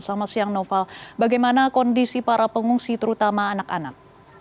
selamat siang noval bagaimana kondisi para pengungsi terutama anak anak